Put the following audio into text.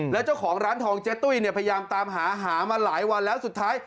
แล้วเจ้าของร้านทองเจ๊ตุ้ยเนี่ยพยายามตามหาหามาหลายวันแล้วสุดท้าย